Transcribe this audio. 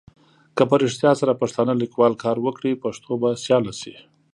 که په رېښتیا سره پښتانه لیکوال کار وکړي پښتو به سیاله سي.